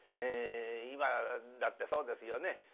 今だってそうですよね